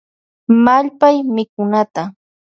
Mallypay mikunata.